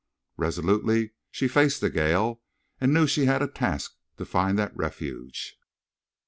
Resolutely she faced the gale and knew she had a task to find that refuge.